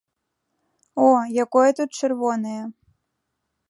О, якое тут чырвонае!